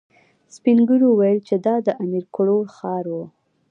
سپين ږيرو ويل چې دا د امير کروړ ښار و.